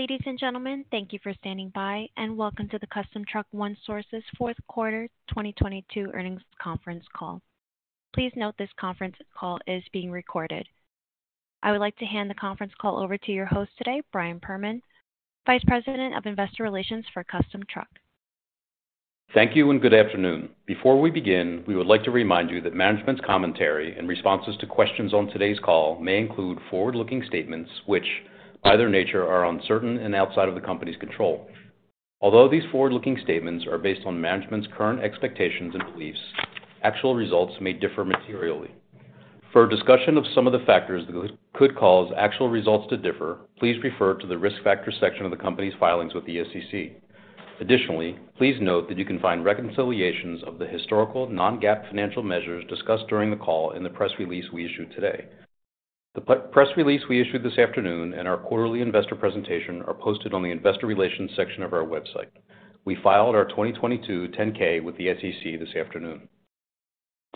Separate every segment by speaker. Speaker 1: Ladies and gentlemen, thank you for standing by, and welcome to the Custom Truck One Source's fourth quarter 2022 earnings conference call. Please note this conference call is being recorded. I would like to hand the conference call over to your host today, Brian Perman, Vice President of Investor Relations for Custom Truck.
Speaker 2: Thank you and good afternoon. Before we begin, we would like to remind you that management's commentary and responses to questions on today's call may include forward-looking statements, which, by their nature, are uncertain and outside of the company's control. Although these forward-looking statements are based on management's current expectations and beliefs, actual results may differ materially. For a discussion of some of the factors that could cause actual results to differ, please refer to the Risk Factors section of the company's filings with the SEC. Additionally, please note that you can find reconciliations of the historical non-GAAP financial measures discussed during the call in the press release we issued today. The press release we issued this afternoon and our quarterly investor presentation are posted on the Investor Relations section of our website. We filed our 2022 10-K with the SEC this afternoon.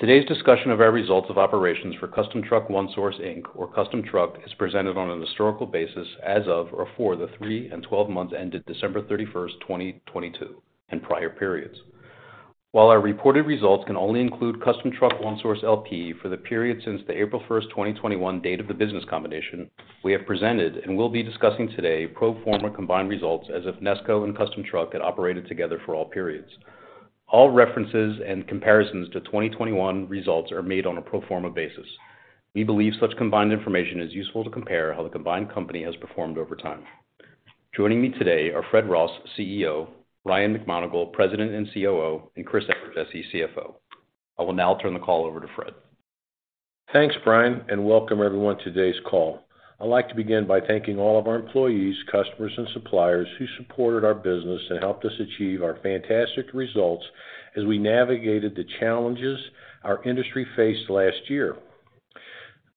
Speaker 2: Today's discussion of our results of operations for Custom Truck One Source, Inc. or Custom Truck is presented on an historical basis as of or for the three and 12 months ended December 31st, 2022 and prior periods. While our reported results can only include Custom Truck One Source, L.P. for the period since the April 1st, 2021 date of the business combination, we have presented and will be discussing today pro forma combined results as if Nesco and Custom Truck had operated together for all periods. All references and comparisons to 2021 results are made on a pro forma basis. We believe such combined information is useful to compare how the combined company has performed over time. Joining me today are Fred Ross, CEO, Ryan McMonagle, President and COO, and Chris Eperjesy, CFO. I will now turn the call over to Fred.
Speaker 3: Thanks, Brian, and welcome everyone to today's call. I'd like to begin by thanking all of our employees, customers, and suppliers who supported our business and helped us achieve our fantastic results as we navigated the challenges our industry faced last year.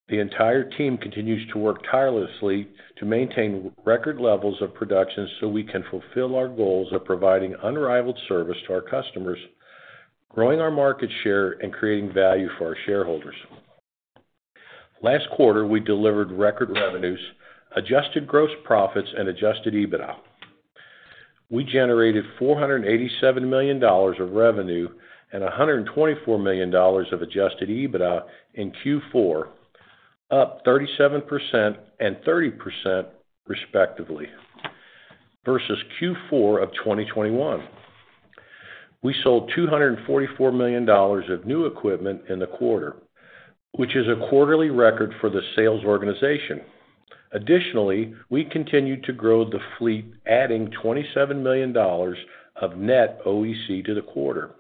Speaker 3: The entire team continues to work tirelessly to maintain record levels of production so we can fulfill our goals of providing unrivaled service to our customers, growing our market share, and creating value for our shareholders. Last quarter, we delivered record revenues, adjusted gross profits and Adjusted EBITDA. We generated $487 million of revenue and $124 million of Adjusted EBITDA in Q4, up 37% and 30% respectively versus Q4 of 2021. We sold $244 million of new equipment in the quarter, which is a quarterly record for the sales organization. We continued to grow the fleet, adding $27 million of net OEC to the quarter.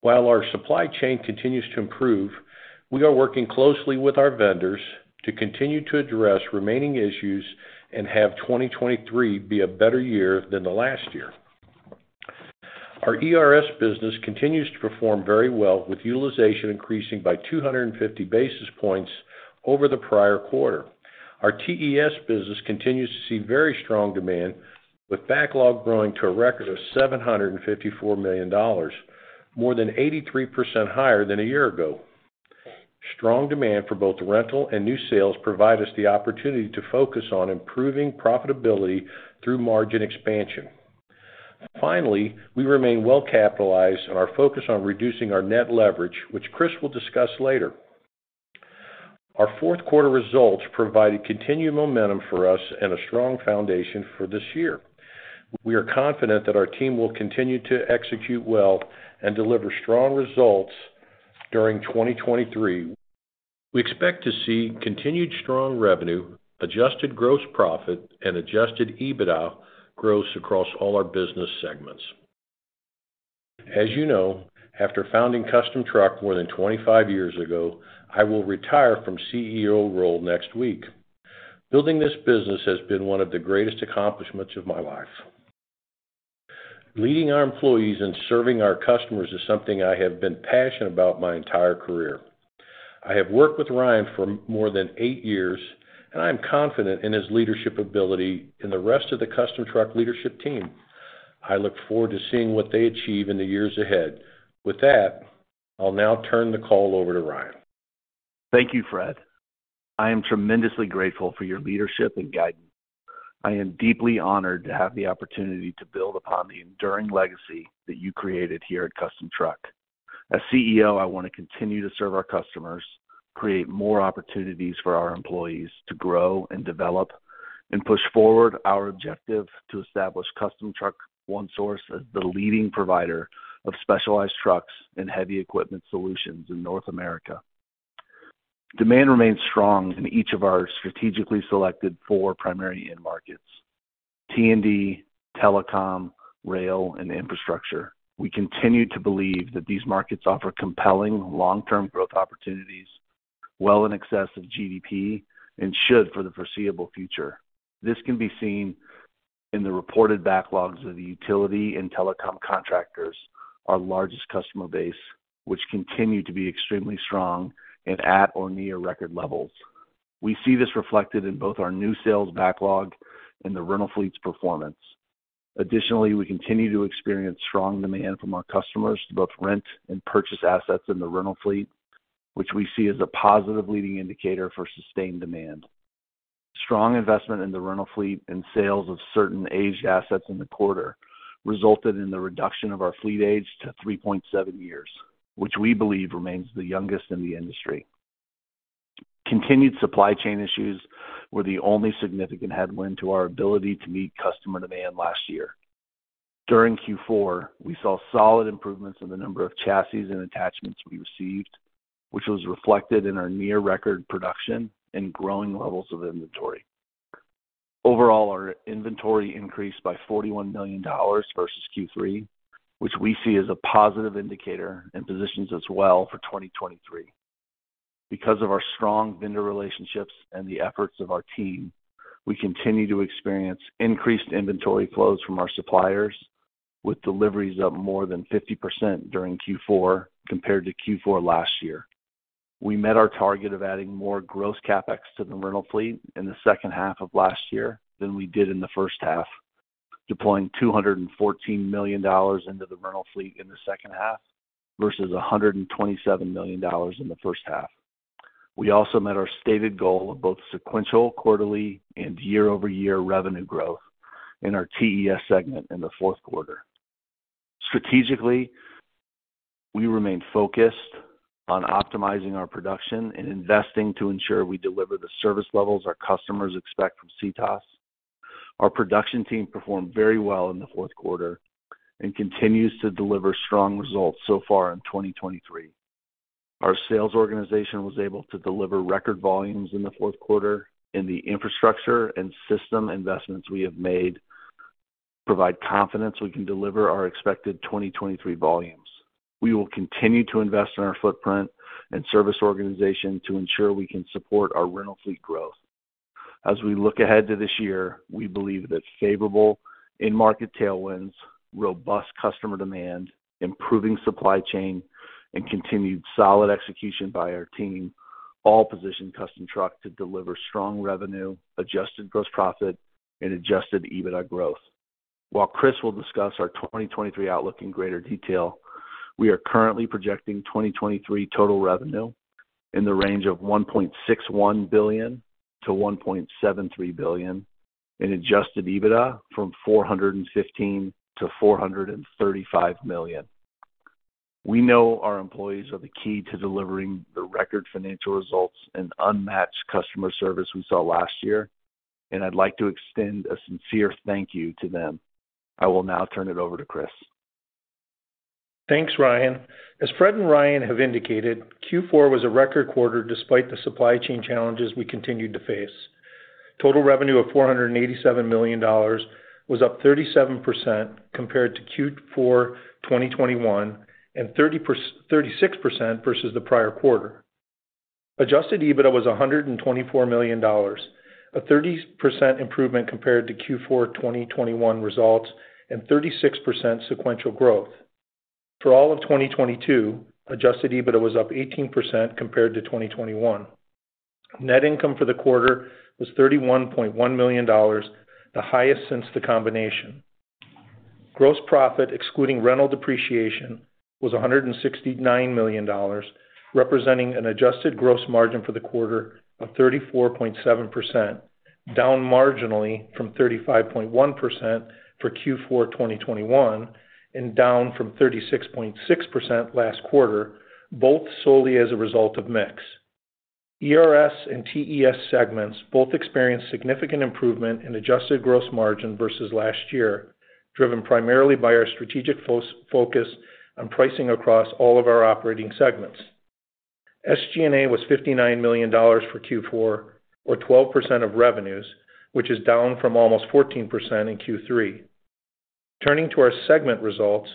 Speaker 3: While our supply chain continues to improve, we are working closely with our vendors to continue to address remaining issues and have 2023 be a better year than the last year. Our ERS business continues to perform very well, with utilization increasing by 250 basis points over the prior quarter. Our TES business continues to see very strong demand, with backlog growing to a record of $754 million, more than 83% higher than a year ago. Strong demand for both rental and new sales provide us the opportunity to focus on improving profitability through margin expansion. We remain well capitalized and are focused on reducing our net leverage, which Chris will discuss later. Our fourth quarter results provided continued momentum for us and a strong foundation for this year. We are confident that our team will continue to execute well and deliver strong results during 2023. We expect to see continued strong revenue, adjusted gross profit and Adjusted EBITDA growth across all our business segments. As you know, after founding Custom Truck more than 25 years ago, I will retire from CEO role next week. Building this business has been one of the greatest accomplishments of my life. Leading our employees and serving our customers is something I have been passionate about my entire career. I have worked with Ryan for more than eight years, and I am confident in his leadership ability in the rest of the Custom Truck leadership team. I look forward to seeing what they achieve in the years ahead. With that, I'll now turn the call over to Ryan.
Speaker 4: Thank you, Fred. I am tremendously grateful for your leadership and guidance. I am deeply honored to have the opportunity to build upon the enduring legacy that you created here at Custom Truck. As CEO, I want to continue to serve our customers, create more opportunities for our employees to grow and develop, and push forward our objective to establish Custom Truck One Source as the leading provider of specialized trucks and heavy equipment solutions in North America. Demand remains strong in each of our strategically selected four primary end markets, T&D, telecom, rail, and infrastructure. We continue to believe that these markets offer compelling long-term growth opportunities, well in excess of GDP and should for the foreseeable future. This can be seen in the reported backlogs of the utility and telecom contractors, our largest customer base, which continue to be extremely strong and at or near record levels. We see this reflected in both our new sales backlog and the rental fleet's performance. Additionally, we continue to experience strong demand from our customers to both rent and purchase assets in the rental fleet, which we see as a positive leading indicator for sustained demand. Strong investment in the rental fleet and sales of certain aged assets in the quarter resulted in the reduction of our fleet age to 3.7 years, which we believe remains the youngest in the industry. Continued supply chain issues were the only significant headwind to our ability to meet customer demand last year. During Q4, we saw solid improvements in the number of chassis and attachments we received, which was reflected in our near record production and growing levels of inventory. Overall, our inventory increased by $41 million versus Q3, which we see as a positive indicator and positions us well for 2023. Because of our strong vendor relationships and the efforts of our team, we continue to experience increased inventory flows from our suppliers, with deliveries up more than 50% during Q4 compared to Q4 last year. We met our target of adding more gross CapEx to the rental fleet in the second half of last year than we did in the first half, deploying $214 million into the rental fleet in the second half versus $127 million in the first half. We also met our stated goal of both sequential, quarterly and year-over-year revenue growth in our TES segment in the fourth quarter. Strategically, we remain focused on optimizing our production and investing to ensure we deliver the service levels our customers expect from CTOS. Our production team performed very well in the fourth quarter and continues to deliver strong results so far in 2023. Our sales organization was able to deliver record volumes in the fourth quarter, and the infrastructure and system investments we have made provide confidence we can deliver our expected 2023 volumes. We will continue to invest in our footprint and service organization to ensure we can support our rental fleet growth. As we look ahead to this year, we believe that favorable in-market tailwinds, robust customer demand, improving supply chain, and continued solid execution by our team all position Custom Truck to deliver strong revenue, adjusted gross profit and Adjusted EBITDA growth. While Chris will discuss our 2023 outlook in greater detail, we are currently projecting 2023 total revenue in the range of $1.61 billion-$1.73 billion, and Adjusted EBITDA from $415 million-$435 million. We know our employees are the key to delivering the record financial results and unmatched customer service we saw last year, and I'd like to extend a sincere thank you to them. I will now turn it over to Chris.
Speaker 5: Thanks, Ryan. As Fred and Ryan have indicated, Q4 was a record quarter despite the supply chain challenges we continued to face. Total revenue of $487 million was up 37% compared to Q4 2021, and 36% versus the prior quarter. Adjusted EBITDA was $124 million, a 30% improvement compared to Q4 2021 results, and 36% sequential growth. For all of 2022, Adjusted EBITDA was up 18% compared to 2021. Net income for the quarter was $31.1 million, the highest since the combination. Gross profit, excluding rental depreciation, was $169 million, representing an Adjusted gross margin for the quarter of 34.7%, down marginally from 35.1% for Q4 2021, and down from 36.6% last quarter, both solely as a result of mix. ERS and TES segments both experienced significant improvement in Adjusted gross margin versus last year, driven primarily by our strategic focus on pricing across all of our operating segments. SG&A was $59 million for Q4, or 12% of revenues, which is down from almost 14% in Q3. Turning to our segment results,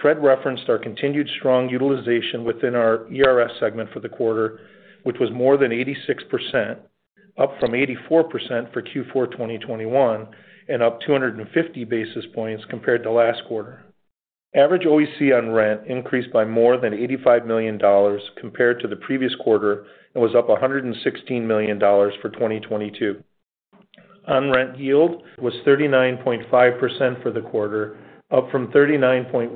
Speaker 5: Fred referenced our continued strong utilization within our ERS segment for the quarter, which was more than 86%, up from 84% for Q4 2021, and up 250 basis points compared to last quarter. Average OEC on rent increased by more than $85 million compared to the previous quarter, and was up $116 million for 2022. On-rent yield was 39.5% for the quarter, up from 39.1%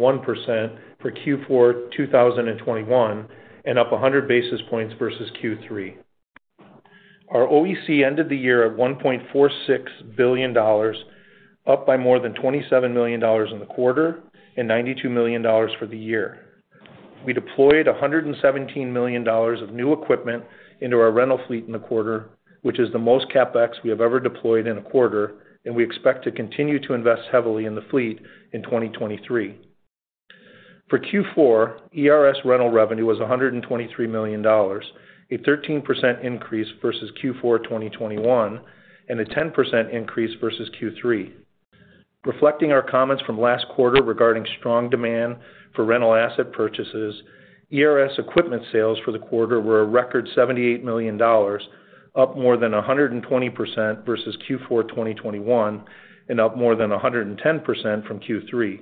Speaker 5: for Q4 2021, and up 100 basis points versus Q3. Our OEC ended the year at $1.46 billion, up by more than $27 million in the quarter and $92 million for the year. We deployed $117 million of new equipment into our rental fleet in the quarter, which is the most CapEx we have ever deployed in a quarter, and we expect to continue to invest heavily in the fleet in 2023. For Q4, ERS rental revenue was $123 million, a 13% increase versus Q4 2021, and a 10% increase versus Q3. Reflecting our comments from last quarter regarding strong demand for rental asset purchases, ERS equipment sales for the quarter were a record $78 million, up more than 120% versus Q4 2021 and up more than 110% from Q3.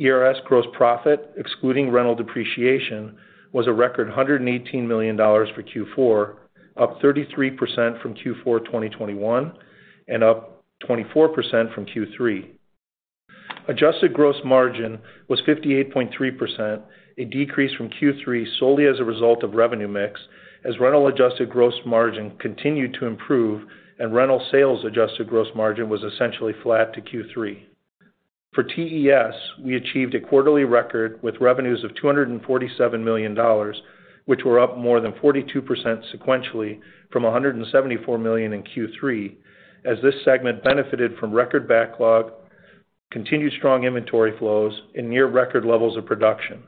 Speaker 5: ERS gross profit, excluding rental depreciation, was a record $118 million for Q4, up 33% from Q4 2021 and up 24% from Q3. Adjusted gross margin was 58.3%, a decrease from Q3 solely as a result of revenue mix as rental Adjusted gross margin continued to improve and rental sales Adjusted gross margin was essentially flat to Q3. For TES, we achieved a quarterly record with revenues of $247 million, which were up more than 42% sequentially from $174 million in Q3 as this segment benefited from record backlog, continued strong inventory flows, and near record levels of production.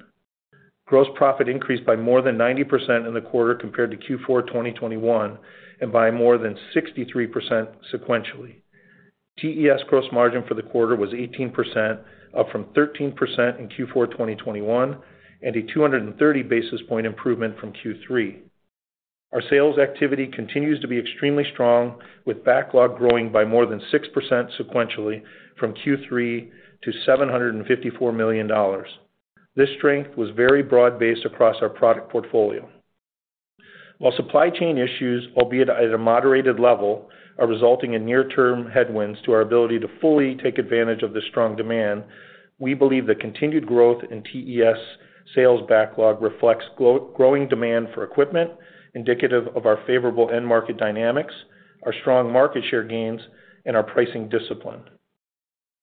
Speaker 5: Gross profit increased by more than 90% in the quarter compared to Q4 2021 and by more than 63% sequentially. TES gross margin for the quarter was 18%, up from 13% in Q4 2021 and a 230 basis point improvement from Q3. Our sales activity continues to be extremely strong, with backlog growing by more than 6% sequentially from Q3 to $754 million. This strength was very broad-based across our product portfolio. While supply chain issues, albeit at a moderated level, are resulting in near term headwinds to our ability to fully take advantage of the strong demand, we believe the continued growth in TES sales backlog reflects growing demand for equipment, indicative of our favorable end market dynamics, our strong market share gains, and our pricing discipline.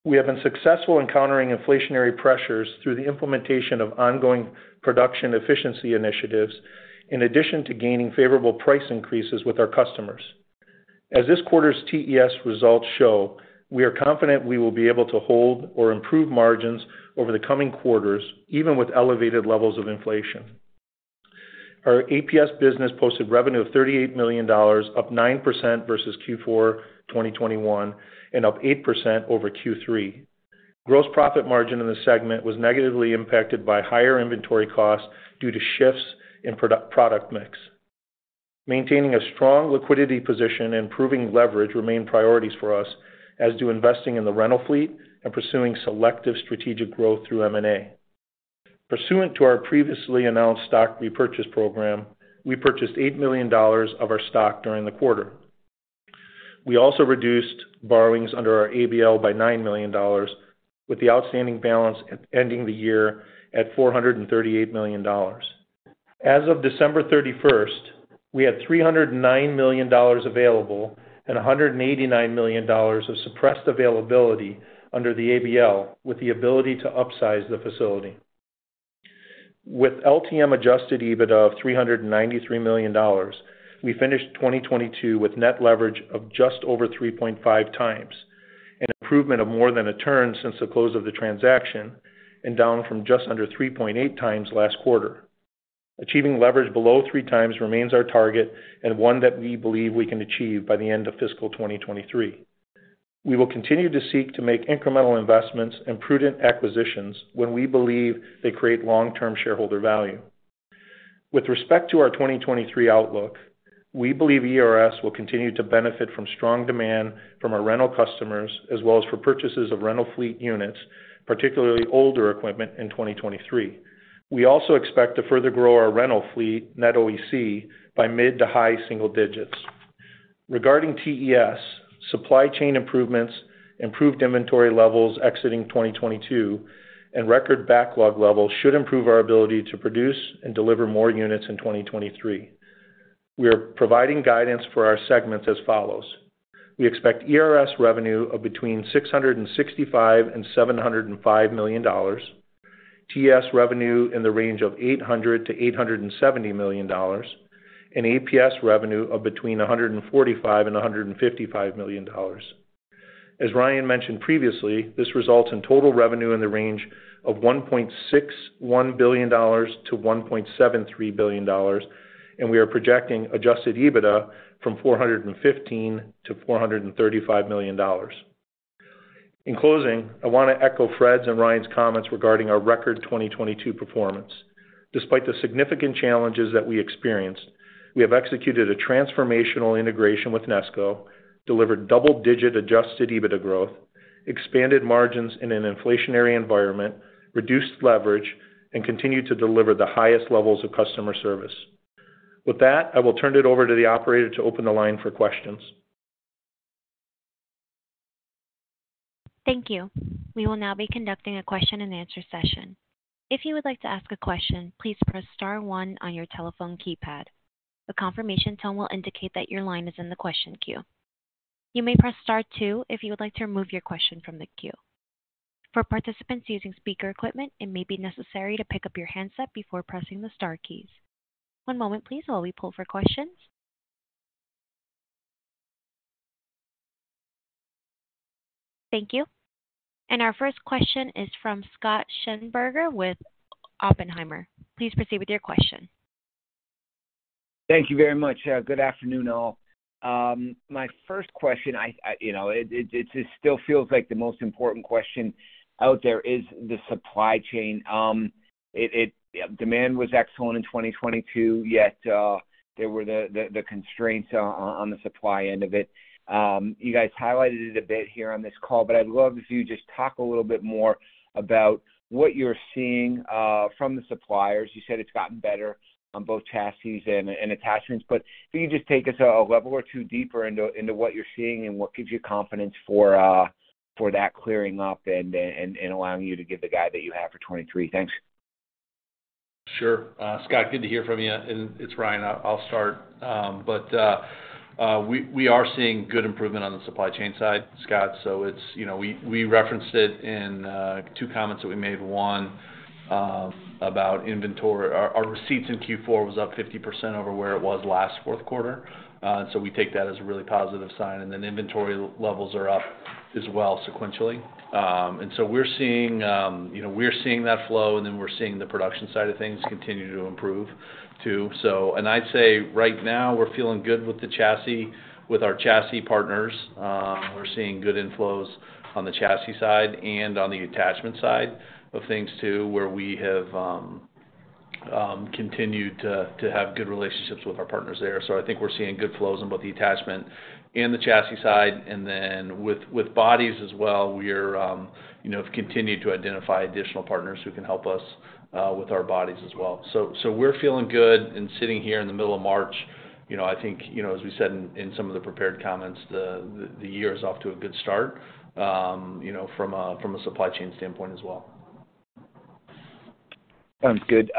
Speaker 5: We have been successful in countering inflationary pressures through the implementation of ongoing production efficiency initiatives in addition to gaining favorable price increases with our customers. As this quarter's TES results show, we are confident we will be able to hold or improve margins over the coming quarters, even with elevated levels of inflation. Our APS business posted revenue of $38 million, up 9% versus Q4 2021 and up 8% over Q3. Gross profit margin in the segment was negatively impacted by higher inventory costs due to shifts in product mix. Maintaining a strong liquidity position, improving leverage remain priorities for us, as do investing in the rental fleet and pursuing selective strategic growth through M&A. Pursuant to our previously announced stock repurchase program, we purchased $8 million of our stock during the quarter. We also reduced borrowings under our ABL by $9 million, with the outstanding balance ending the year at $438 million. As of December 31st, we had $309 million available and $189 million of suppressed availability under the ABL with the ability to upsize the facility. With LTM Adjusted EBITDA of $393 million, we finished 2022 with net leverage of just over 3.5x, an improvement of more than a term since the close of the transaction and down from just under 3.8x last quarter. Achieving leverage below 3x remains our target and one that we believe we can achieve by the end of fiscal 2023. We will continue to seek to make incremental investments and prudent acquisitions when we believe they create long-term shareholder value. With respect to our 2023 outlook, we believe ERS will continue to benefit from strong demand from our rental customers as well as for purchases of rental fleet units, particularly older equipment in 2023. We also expect to further grow our rental fleet net OEC by mid to high single digits. Regarding TES, supply chain improvements, improved inventory levels exiting 2022 and record backlog levels should improve our ability to produce and deliver more units in 2023. We are providing guidance for our segments as follows: We expect ERS revenue of between $665 million and $705 million, TES revenue in the range of $800 million-$870 million, and APS revenue of between $145 million and $155 million. As Ryan mentioned previously, this results in total revenue in the range of $1.61 billion-$1.73 billion, and we are projecting Adjusted EBITDA from $415 million to $435 million. In closing, I wanna echo Fred's and Ryan's comments regarding our record 2022 performance. Despite the significant challenges that we experienced, we have executed a transformational integration with Nesco, delivered double-digit Adjusted EBITDA growth, expanded margins in an inflationary environment, reduced leverage, and continued to deliver the highest levels of customer service. With that, I will turn it over to the operator to open the line for questions.
Speaker 1: Thank you. We will now be conducting a question-and-answer session. If you would like to ask a question, please press star one on your telephone keypad. A confirmation tone will indicate that your line is in the question queue. You may press star two if you would like to remove your question from the queue. For participants using speaker equipment, it may be necessary to pick up your handset before pressing the star keys. One moment please while we pull for questions. Thank you. Our first question is from Scott Schneeberger with Oppenheimer. Please proceed with your question.
Speaker 6: Thank you very much. Good afternoon, all. My first question, you know, it still feels like the most important question out there is the supply chain. Demand was excellent in 2022, yet, there were the constraints on the supply end of it. You guys highlighted it a bit here on this call, but I'd love if you just talk a little bit more about what you're seeing from the suppliers. You said it's gotten better on both chassis and attachments. Can you just take us a level or two deeper into what you're seeing and what gives you confidence for that, clearing up and allowing you to give the guide that you have for 2023? Thanks.
Speaker 4: Sure. Scott, good to hear from you. It's Ryan, I'll start. We are seeing good improvement on the supply chain side, Scott. It's, you know, we referenced it in two comments that we made. One, about inventory. Our receipts in Q4 was up 50% over where it was last fourth quarter. We take that as a really positive sign. Inventory levels are up as well sequentially. We're seeing, you know, we're seeing that flow, and then we're seeing the production side of things continue to improve too. I'd say right now we're feeling good with the chassis, with our chassis partners. We're seeing good inflows on the chassis side and on the attachment side of things too, where we have continued to have good relationships with our partners there. I think we're seeing good flows on both the attachment and the chassis side. With bodies as well, we're, you know, have continued to identify additional partners who can help us with our bodies as well. We're feeling good. Sitting here in the middle of March, you know, I think, you know, as we said in some of the prepared comments, the year is off to a good start, you know, from a supply chain standpoint as well.
Speaker 6: Sounds good.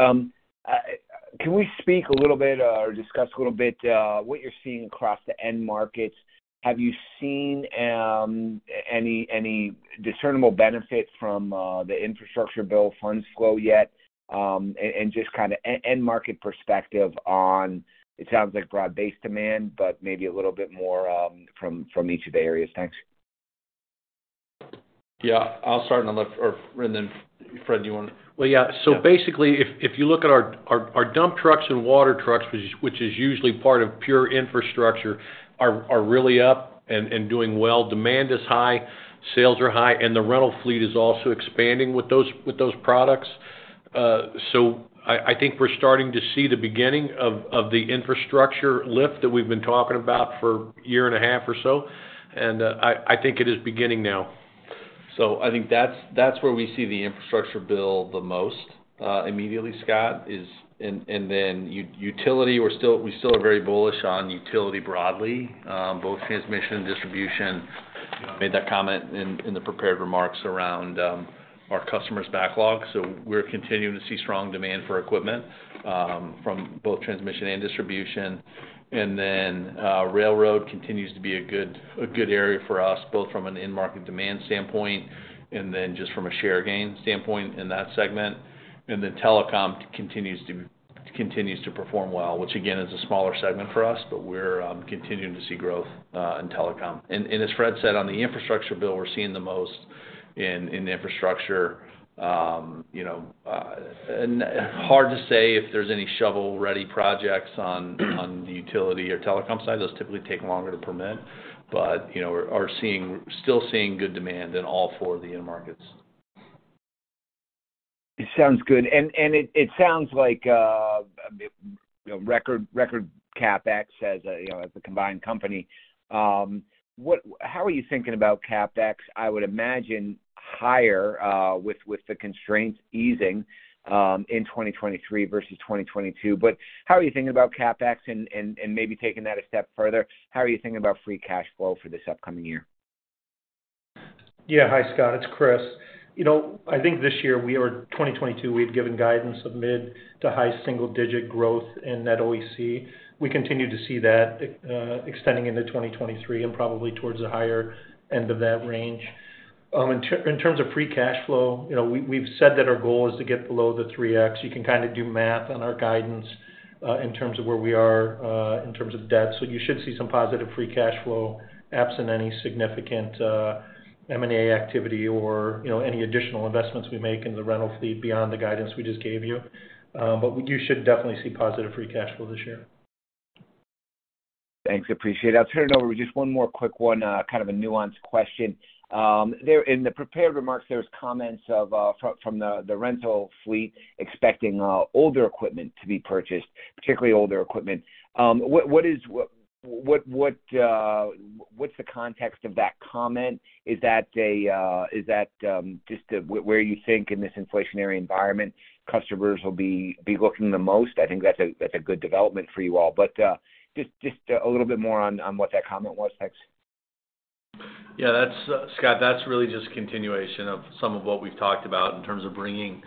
Speaker 6: Can we speak a little bit or discuss a little bit what you're seeing across the end markets? Have you seen any discernible benefit from the infrastructure bill funds flow yet? Just kinda end market perspective on, it sounds like broad-based demand, but maybe a little bit more from each of the areas. Thanks.
Speaker 4: Yeah, I'll start on the left and then Fred, you wanna.
Speaker 3: Well, yeah.
Speaker 4: Yeah. Basically, if you look at our dump trucks and water trucks, which is usually part of pure infrastructure, are really up and doing well. Demand is high, sales are high, and the rental fleet is also expanding with those products. I think we're starting to see the beginning of the infrastructure lift that we've been talking about for 1.5 year or so. I think it is beginning now. I think that's where we see the infrastructure bill the most immediately, Scott. Utility, we still are very bullish on utility broadly, both transmission and distribution. Made that comment in the prepared remarks around our customers' backlog. We're continuing to see strong demand for equipment from both transmission and distribution. Railroad continues to be a good area for us, both from an end market demand standpoint and then just from a share gain standpoint in that segment. Telecom continues to perform well, which again, is a smaller segment for us, but we're continuing to see growth in telecom. As Fred said, on the infrastructure bill, we're seeing the most in the infrastructure, you know, hard to say if there's any shovel-ready projects on the utility or telecom side. Those typically take longer to permit. you know, we're still seeing good demand in all four of the end markets.
Speaker 6: It sounds good. It sounds like, you know, record CapEx as a, you know, as a combined company. How are you thinking about CapEx? I would imagine higher, with the constraints easing, in 2023 versus 2022. How are you thinking about CapEx? Maybe taking that a step further, how are you thinking about free cash flow for this upcoming year?
Speaker 5: Yeah. Hi, Scott. It's Chris. You know, I think this year we are, 2022, we've given guidance of mid to high single digit growth in net OEC. We continue to see that extending into 2023 and probably towards the higher end of that range. In terms of free cash flow, you know, we've said that our goal is to get below the 3x. You can kinda do math on our guidance in terms of where we are in terms of debt. You should see some positive free cash flow absent any significant M&A activity or, you know, any additional investments we make in the rental fleet beyond the guidance we just gave you. We do should definitely see positive free cash flow this year.
Speaker 6: Thanks, appreciate it. I'll turn it over with just one more quick one, kind of a nuanced question. In the prepared remarks, there's comments of from the rental fleet expecting older equipment to be purchased, particularly older equipment. What's the context of that comment? Is that a, is that just where you think in this inflationary environment customers will be looking the most? I think that's a good development for you all. Just a little bit more on what that comment was. Thanks.
Speaker 4: Yeah, that's, Scott, that's really just continuation of some of what we've talked about in terms of bringing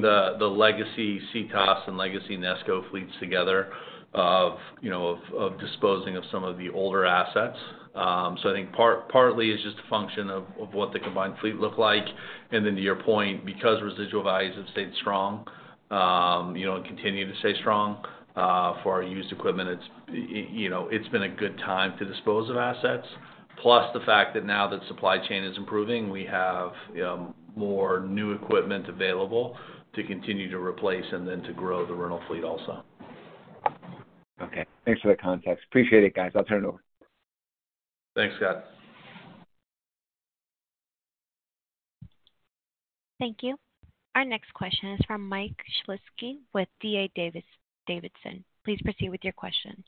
Speaker 4: the legacy CTOS and legacy Nesco fleets together of, you know, of disposing of some of the older assets. I think partly it's just a function of what the combined fleet look like. Then to your point, because residual values have stayed strong, you know, and continue to stay strong for our used equipment, it's, you know, it's been a good time to dispose of assets. The fact that now that supply chain is improving, we have more new equipment available to continue to replace and then to grow the rental fleet also.
Speaker 6: Okay. Thanks for the context. Appreciate it, guys. I'll turn it over.
Speaker 4: Thanks, Scott.
Speaker 1: Thank you. Our next question is from Mike Shlisky with D.A. Davidson. Please proceed with your question.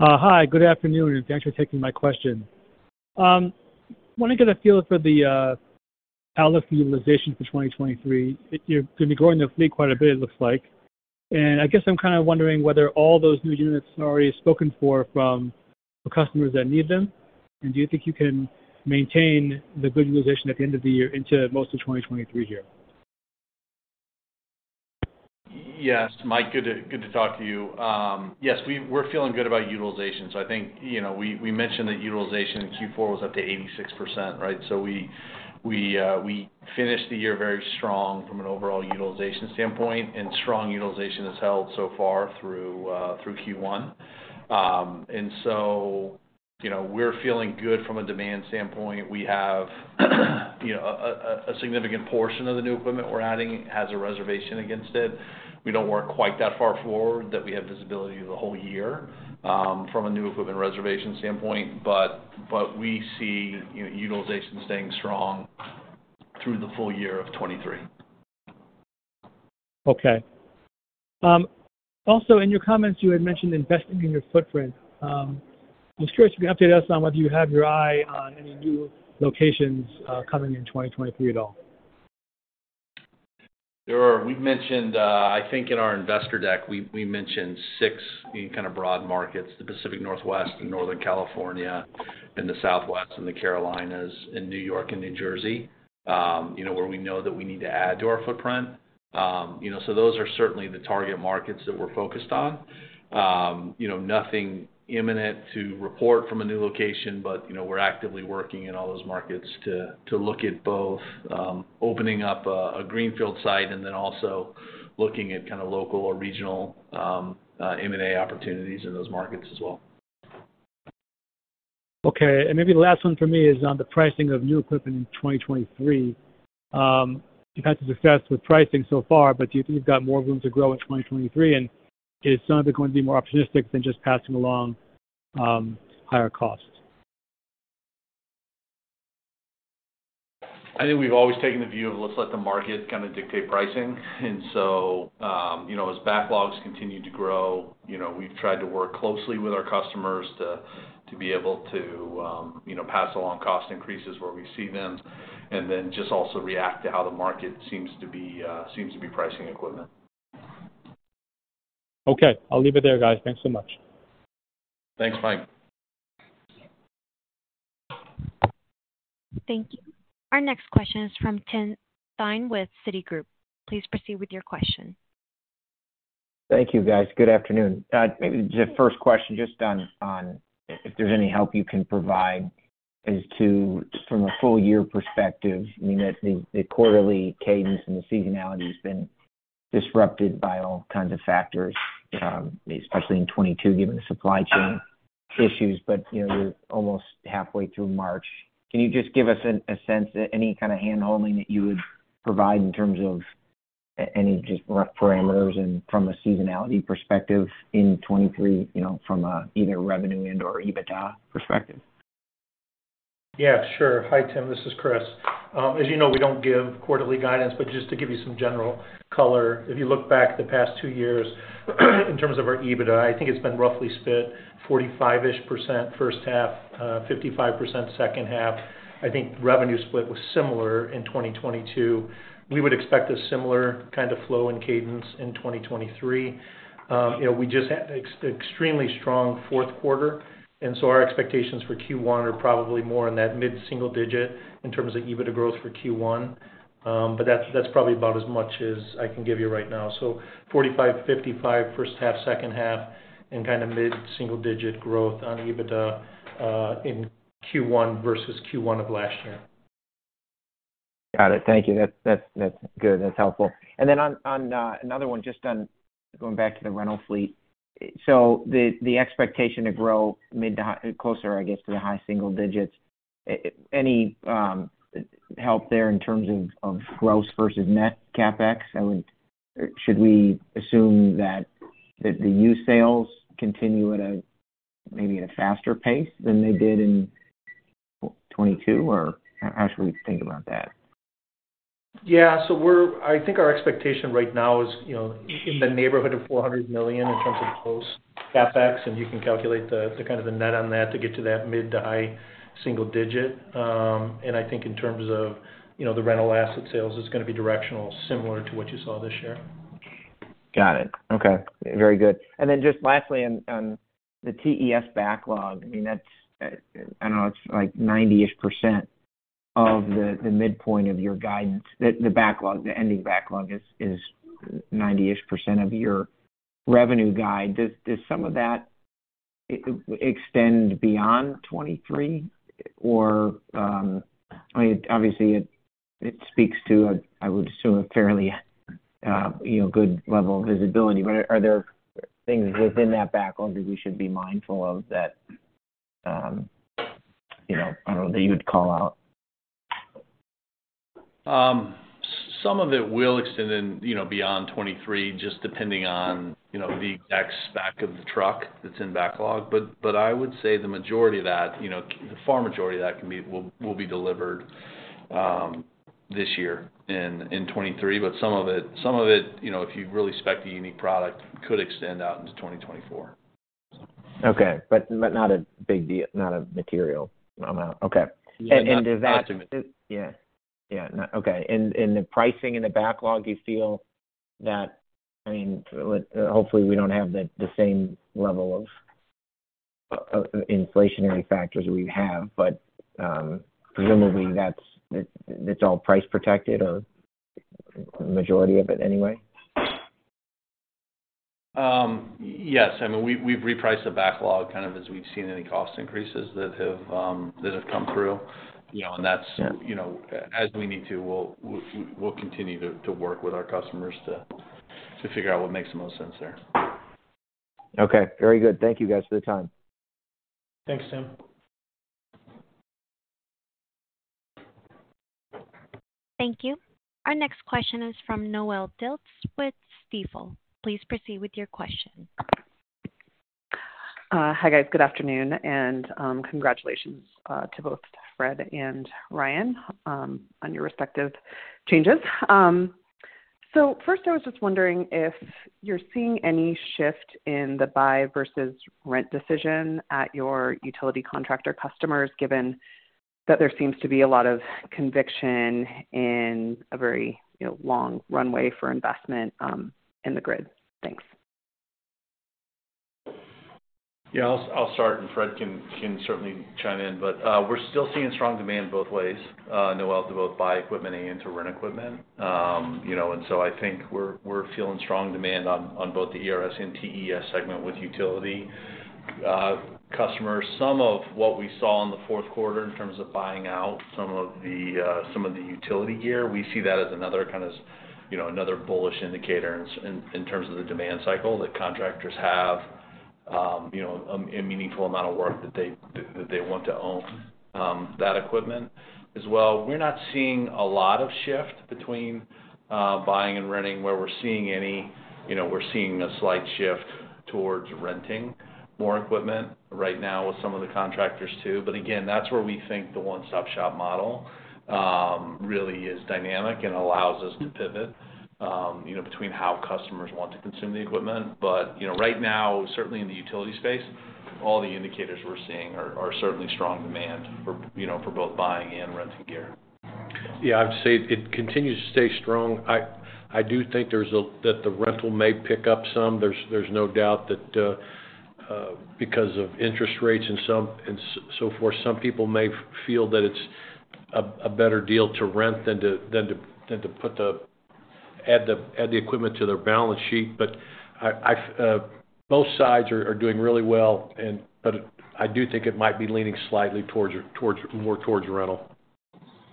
Speaker 7: Hi, good afternoon, and thanks for taking my question. wanna get a feel for the outlook utilization for 2023. You're gonna be growing the fleet quite a bit, it looks like. I guess I'm kinda wondering whether all those new units are already spoken for from the customers that need them. Do you think you can maintain the good utilization at the end of the year into most of 2023 here?
Speaker 4: Yes, Mike, good to, good to talk to you. Yes, we're feeling good about utilization. I think, you know, we mentioned that utilization in Q4 was up to 86%, right? We finished the year very strong from an overall utilization standpoint, and strong utilization has held so far through Q1. You know, we're feeling good from a demand standpoint. We have, you know, a significant portion of the new equipment we're adding has a reservation against it. We don't work quite that far forward that we have visibility of the whole year from a new equipment reservation standpoint, but we see, you know, utilization staying strong through the full year of 2023.
Speaker 7: Okay. also in your comments, you had mentioned investing in your footprint. I was curious if you could update us on whether you have your eye on any new locations, coming in 2023 at all?
Speaker 4: Sure. We mentioned I think in our investor deck, we mentioned six kind of broad markets, the Pacific Northwest, and Northern California, and the Southwest, and the Carolinas, and New York and New Jersey, you know, where we know that we need to add to our footprint. You know, those are certainly the target markets that we're focused on. You know, nothing imminent to report from a new location, but, you know, we're actively working in all those markets to look at both opening up a greenfield site and then also looking at kind of local or regional M&A opportunities in those markets as well.
Speaker 7: Okay. maybe the last one for me is on the pricing of new equipment in 2023. You've had some success with pricing so far, but do you think you've got more room to grow in 2023, and is some of it going to be more opportunistic than just passing along, higher costs?
Speaker 4: I think we've always taken the view of let's let the market kind of dictate pricing. You know, as backlogs continue to grow, you know, we've tried to work closely with our customers to be able to, you know, pass along cost increases where we see them and then just also react to how the market seems to be pricing equipment.
Speaker 7: Okay. I'll leave it there, guys. Thanks so much.
Speaker 4: Thanks, Mike.
Speaker 1: Thank you. Our next question is from Tim Thein with Citigroup. Please proceed with your question.
Speaker 8: Thank you, guys. Good afternoon. Maybe just first question just on if there's any help you can provide as to from a full year perspective, I mean, the quarterly cadence and the seasonality has been disrupted by all kinds of factors, especially in 2022, given the supply chain issues. You know, we're almost halfway through March. Can you just give us a sense that any kind of hand-holding that you would provide in terms of any just rough parameters and from a seasonality perspective in 2023, you know, from either revenue and/or EBITDA perspective?
Speaker 5: Yeah, sure. Hi, Tim. This is Chris. As you know, we don't give quarterly guidance, but just to give you some general color, if you look back the past two years in terms of our EBITDA, I think it's been roughly split 45%-ish first half, 55% second half. I think revenue split was similar in 2022. We would expect a similar kind of flow and cadence in 2023. You know, we just had extremely strong fourth quarter, our expectations for Q1 are probably more in that mid-single digit in terms of EBITDA growth for Q1. That's probably about as much as I can give you right now. 45%, 55% first half, second half and kind of mid-single digit growth on EBITDA in Q1 versus Q1 of last year.
Speaker 8: Got it. Thank you. That, that's good. That's helpful. Then on another one just on going back to the rental fleet. The expectation to grow mid to high, closer, I guess, to the high single digits, any help there in terms of gross versus net CapEx? Should we assume that the used sales continue at a maybe at a faster pace than they did in 2022, or how should we think about that?
Speaker 5: Yeah. I think our expectation right now is, you know, in the neighborhood of $400 million in terms of gross CapEx, and you can calculate the kind of the net on that to get to that mid to high single digit. I think in terms of, you know, the rental asset sales, it's gonna be directional, similar to what you saw this year.
Speaker 8: Got it. Okay. Very good. Just lastly on the TES backlog, I mean, that's, I know it's like 90%-ish of the midpoint of your guidance. The backlog, the ending backlog is 90%-ish of your revenue guide. Does some of that extend beyond 2023 or I mean, obviously, it speaks to, I would assume, a fairly, you know, good level of visibility. But are there things within that backlog that we should be mindful of that, you know, I don't know, that you would call out?
Speaker 4: Some of it will extend in, you know, beyond 2023, just depending on, you know, the exact spec of the truck that's in backlog. I would say the majority of that, you know, the far majority of that will be delivered this year in 2023, but some of it, you know, if you really spec a unique product, could extend out into 2024.
Speaker 8: Okay. Not a big not a material amount. Okay.
Speaker 4: Not, not to me.
Speaker 8: Is that. Yeah. Yeah. No, okay. The pricing in the backlog, you feel that, I mean, hopefully, we don't have the same level of inflationary factors we have, but, presumably that's, it's all price protected or majority of it anyway?
Speaker 4: Yes. I mean, we've repriced the backlog kind of as we've seen any cost increases that have come through. You know.
Speaker 8: Yeah.
Speaker 4: You know, as we need to, we'll continue to work with our customers to figure out what makes the most sense there.
Speaker 8: Okay. Very good. Thank you, guys, for the time.
Speaker 5: Thanks, Tim.
Speaker 1: Thank you. Our next question is from Noelle Dilts with Stifel. Please proceed with your question.
Speaker 9: Hi, guys. Good afternoon. Congratulations to both Fred and Ryan on your respective changes. First, I was just wondering if you're seeing any shift in the buy versus rent decision at your utility contractor customers, given that there seems to be a lot of conviction and a very, you know, long runway for investment in the grid. Thanks.
Speaker 4: Yeah. I'll start, and Fred can certainly chime in. We're still seeing strong demand both ways, Noelle, to both buy equipment and to rent equipment. You know, I think we're feeling strong demand on both the ERS and TES segment with utility customers. Some of what we saw in the fourth quarter in terms of buying out some of the utility gear, we see that as another kind of, you know, another bullish indicator in terms of the demand cycle that contractors have, a meaningful amount of work that they, that they want to own, that equipment as well. We're not seeing a lot of shift between buying and renting. Where we're seeing any, you know, we're seeing a slight shift towards renting more equipment right now with some of the contractors too. Again, that's where we think the one-stop-shop model, really is dynamic and allows us to pivot, you know, between how customers want to consume the equipment. You know, right now, certainly in the utility space, all the indicators we're seeing are certainly strong demand for, you know, for both buying and renting gear.
Speaker 3: Yeah. I'd say it continues to stay strong. I do think there's that the rental may pick up some. There's no doubt that because of interest rates and some and so forth, some people may feel that it's a better deal to rent than to add the equipment to their balance sheet. I both sides are doing really well and but I do think it might be leaning slightly towards your, more towards rental.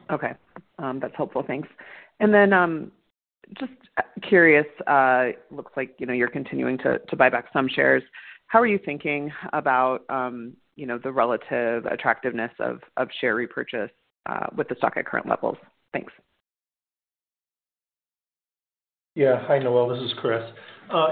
Speaker 9: Okay. That's helpful. Thanks. Just curious, looks like, you know, you're continuing to buy back some shares. How are you thinking about, you know, the relative attractiveness of share repurchase with the stock at current levels? Thanks.
Speaker 5: Yeah. Hi, Noelle. This is Chris.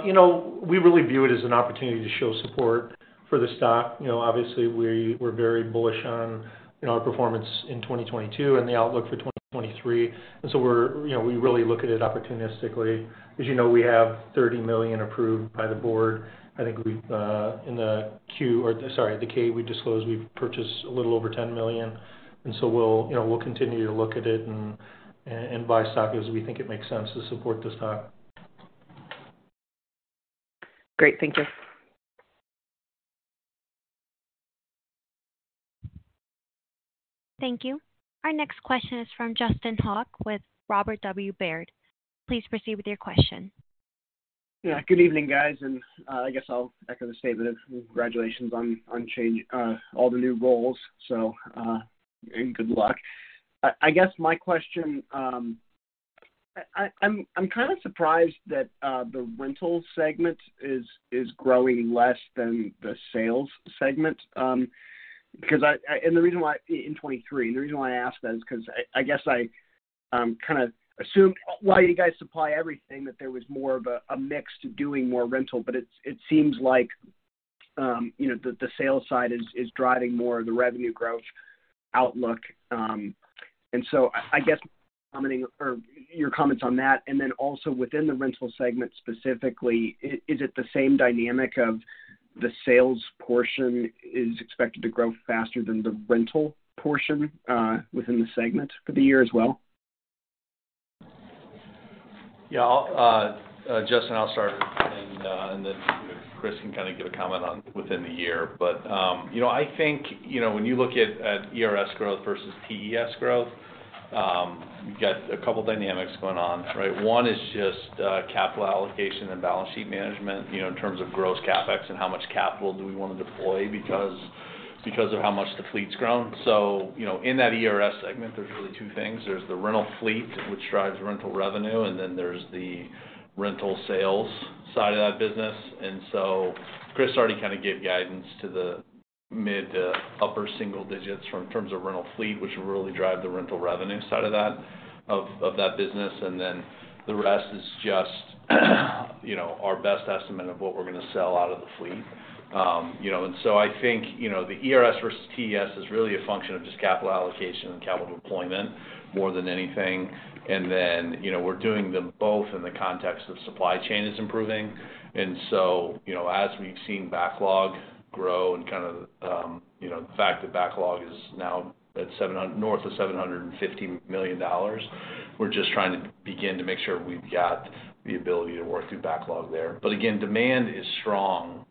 Speaker 5: You know, we really view it as an opportunity to show support for the stock. You know, obviously we're very bullish on, you know, our performance in 2022 and the outlook for 2023. So we're, you know, we really look at it opportunistically. As you know, we have $30 million approved by the Board. I think we've, in the Q, or sorry, the K we disclosed, we've purchased a little over $10 million. So we'll, you know, we'll continue to look at it and buy stock as we think it makes sense to support the stock.
Speaker 9: Great. Thank you.
Speaker 1: Thank you. Our next question is from Justin Hauke with Robert W. Baird. Please proceed with your question.
Speaker 10: Good evening, guys. I guess I'll echo the statement of congratulations on all the new roles, and good luck. I guess my question, I'm kinda surprised that the rental segment is growing less than the sales segment, because the reason why, in 2023, the reason why I ask that is 'cause I guess I kinda assumed while you guys supply everything, that there was more of a mix to doing more rental. It seems like, you know, the sales side is driving more of the revenue growth outlook. I guess commenting or your comments on that, and then also within the rental segment specifically, is it the same dynamic of the sales portion is expected to grow faster than the rental portion, within the segment for the year as well?
Speaker 4: Yeah. I'll Justin, I'll start, and then Chris can kinda give a comment on within the year. You know, I think, you know, when you look at ERS growth versus TES growth, you've got a couple dynamics going on, right? One is just capital allocation and balance sheet management, you know, in terms of gross CapEx and how much capital do we wanna deploy because of how much the fleet's grown. You know, in that ERS segment, there's really two things. There's the rental fleet, which drives rental revenue, and then there's the rental sales side of that business. Chris already kinda gave guidance to the mid to upper single digits from terms of rental fleet, which will really drive the rental revenue side of that, of that business. The rest is just, you know, our best estimate of what we're gonna sell out of the fleet. You know, I think, you know, the ERS versus TES is really a function of just capital allocation and capital deployment more than anything. You know, we're doing them both in the context of supply chain is improving. You know, as we've seen backlog grow and kind of, you know, the fact that backlog is now at north of $750 million, we're just trying to begin to make sure we've got the ability to work through backlog there. Demand is strong.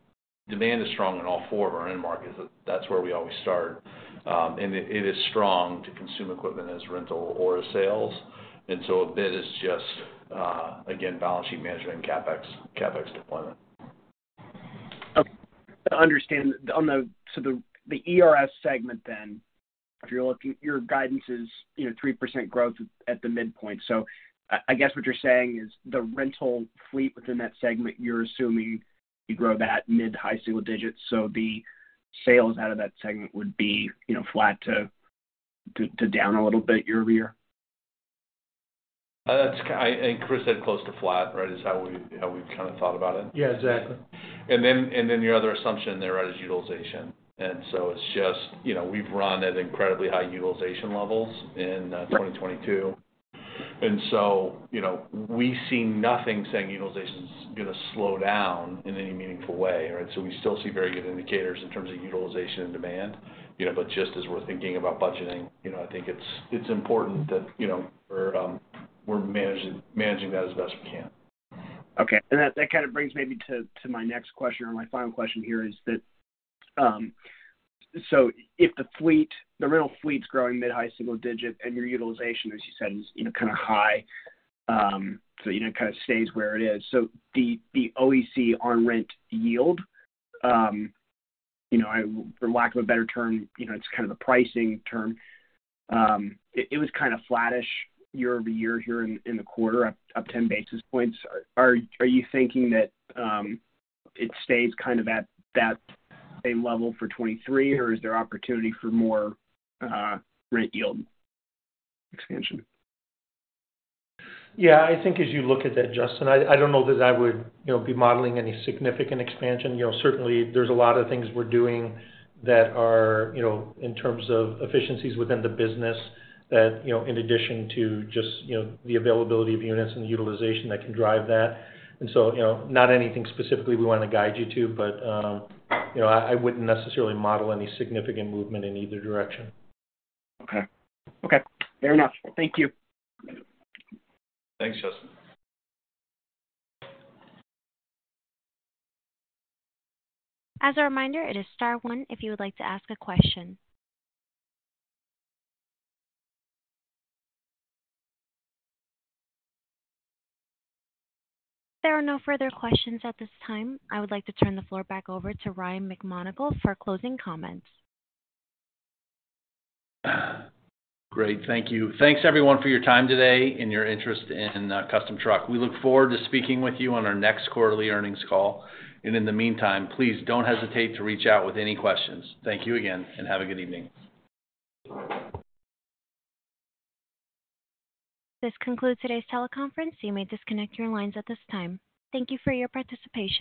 Speaker 4: Demand is strong in all four of our end markets. That's where we always start. It is strong to consume equipment as rental or as sales. a bit is just, again, balance sheet management and CapEx deployment.
Speaker 10: Okay. To understand, the ERS segment then, if you're looking, your guidance is 3% growth at the midpoint. I guess what you're saying is the rental fleet within that segment, you're assuming you grow that mid-high single digits, so the sales out of that segment would be flat to down a little bit year-over-year?
Speaker 4: That's I think Chris said close to flat, right? Is how we, how we've kind of thought about it.
Speaker 5: Yeah, exactly.
Speaker 4: Then, your other assumption there, right, is utilization. It's just, you know, we've run at incredibly high utilization levels in 2022. You know, we see nothing saying utilization's gonna slow down in any meaningful way, right? We still see very good indicators in terms of utilization and demand, you know, but just as we're thinking about budgeting, you know, I think it's important that, you know, we're managing that as best we can.
Speaker 10: Okay. That, that kind of brings maybe to my next question or my final question here, is that, if the fleet, the rental fleet's growing mid-high single digit and your utilization, as you said, is, you know, kinda high, so, you know, it kind of stays where it is. The, the OEC on rent yield, you know, for lack of a better term, you know, it's kind of the pricing term. It was kind of flattish year-over-year here in the quarter, up 10 basis points. Are you thinking that, it stays kind of at that same level for 2023, or is there opportunity for more, rent yield expansion?
Speaker 5: Yeah. I think as you look at that, Justin, I don't know that I would, you know, be modeling any significant expansion. You know, certainly there's a lot of things we're doing that are, you know, in terms of efficiencies within the business that, you know, in addition to just, you know, the availability of units and the utilization that can drive that. You know, not anything specifically we wanna guide you to, but, you know, I wouldn't necessarily model any significant movement in either direction.
Speaker 10: Okay. Okay. Fair enough. Thank you.
Speaker 4: Thanks, Justin.
Speaker 1: As a reminder, it is star one if you would like to ask a question. There are no further questions at this time. I would like to turn the floor back over to Ryan McMonagle for closing comments.
Speaker 4: Great. Thank you. Thanks, everyone, for your time today and your interest in Custom Truck. We look forward to speaking with you on our next quarterly earnings call. In the meantime, please don't hesitate to reach out with any questions. Thank you again, have a good evening.
Speaker 1: This concludes today's teleconference. You may disconnect your lines at this time. Thank you for your participation.